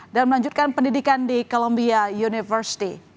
dan melanjutkan pendidikan di columbia university